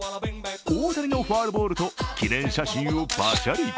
大谷のファウルボールと記念写真をバシャリ。